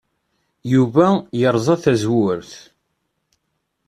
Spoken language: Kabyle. Yuba yerẓa tazewwut.